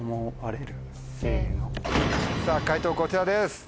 解答こちらです。